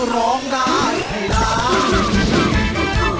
ร้องด้านให้ด้าน